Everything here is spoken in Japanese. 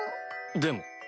でも？